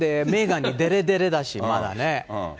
で、メーガンにでれでれだし、まだね。